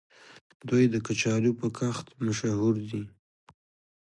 دوی د کچالو په کښت مشهور دي.